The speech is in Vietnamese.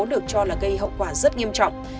được cho là gây hậu quả rất nghiêm trọng